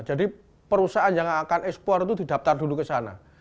jadi perusahaan yang akan ekspor itu didaftar dulu ke sana